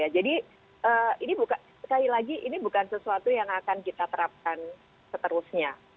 jadi sekali lagi ini bukan sesuatu yang akan kita terapkan seterusnya